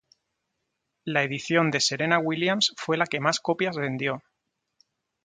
La edición de Serena Williams fue la que más copias vendió.